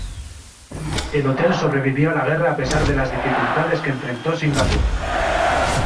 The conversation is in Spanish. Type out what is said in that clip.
El hotel sobrevivió a la guerra a pesar de las dificultades que enfrentó Singapur.